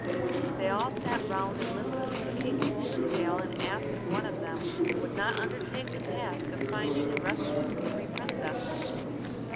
They all sat round and listened as the King told his tale and asked if one of them would not undertake the task of finding and rescuing the three princesses.